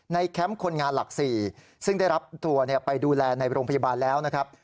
แคมป์คนงานหลัก๔ซึ่งได้รับตัวไปดูแลในโรงพยาบาลแล้วนะครับ